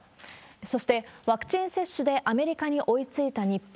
そしてワクチン接種でアメリカに追いついた日本。